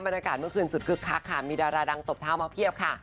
บรรยากาศเมื่อคืนสุดคึกคักค่ะมีดาราดังตบเท้ามาเพียบค่ะ